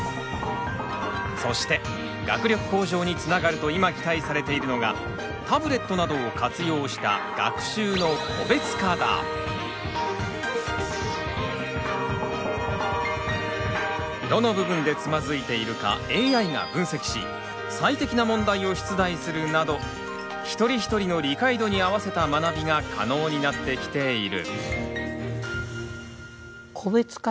そして学力向上につながると今期待されているのがタブレットなどを活用したどの部分でつまずいているかＡＩが分析し最適な問題を出題するなど一人一人の理解度に合わせた学びが可能になってきている。